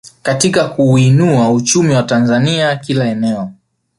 Katika kuuinua uchumi wa Tanzania kila eneo